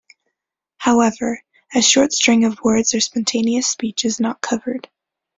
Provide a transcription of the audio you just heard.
However, a short string of words or spontaneous speech is not covered.